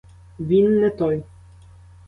Він — не той.